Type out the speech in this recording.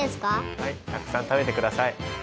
はいたくさんたべてください。